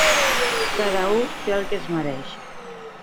Cada u té el que es mereix.